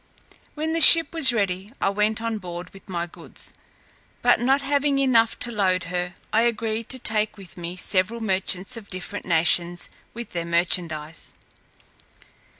When the ship was ready, I went on board with my goods; but not having enough to load her, I agreed to take with me several merchants of different nations with their merchandize.